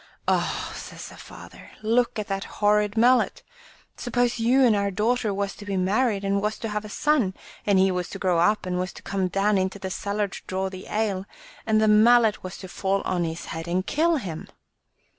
"Oh," says the father, "look at that horrid mallet! Suppose you and our daughter was to be married, and was to^ave a son, and he was to grow up, and was to come down into the cellar to draw the ale, and the mallet was to fall on his head and kill him!"